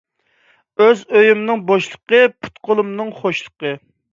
ئۆز ئۆيۈمنىڭ بوشلۇقى، پۇت – قولۇمنىڭ خوشلۇقى.